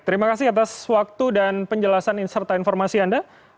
terima kasih atas waktu dan penjelasan serta informasi anda